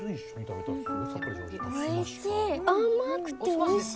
おいしい。